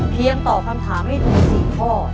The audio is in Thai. เพียงตอบคำถามให้ถึง๔ข้อ